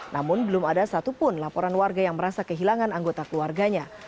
namun belum ada satupun laporan warga yang merasa kehilangan anggota keluarganya